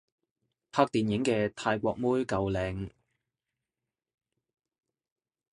拍電影嘅泰國妹夠靚